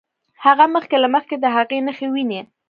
هغه مخکې له مخکې د هغې نښې ويني.